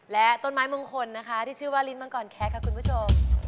และต้นไม้มงคลที่ชื่อว่าลิ้นบังกรแคล๊ะค่ะคุณผู้ชม